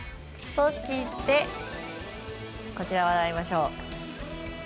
そして、こちらに参りましょう。